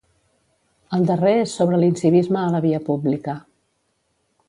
El darrer és sobre l'incivisme a la via pública.